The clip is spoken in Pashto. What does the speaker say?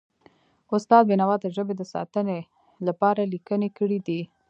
استاد بینوا د ژبې د ساتنې لپاره لیکنې کړی دي.